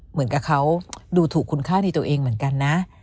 เหมือนกับเขาดูถูกคุณค่าในตัวเองเหมือนกันนะ